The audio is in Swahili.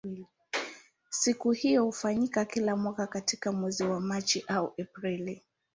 Siku hiyo hufanyika kila mwaka katika mwezi wa Machi au Aprili.